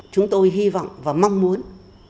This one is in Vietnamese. chúng tôi hy vọng và mong muốn